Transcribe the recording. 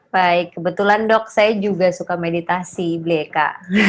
baik kebetulan dok saya juga suka meditasi bli eka